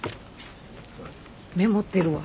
メモってるわ。